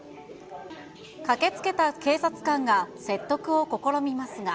駆けつけた警察官が説得を試みますが。